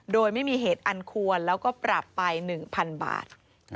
โดยไม่มีเหตุอันควรแล้วก็ปรับไป๑๐๐๐บาท